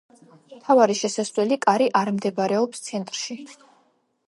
მთავარი შესასვლელი კარი არ მდებარეობს ცენტრში.